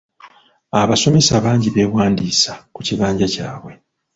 Abasomesa bangi beewandiisa ku kibanja kyabwe.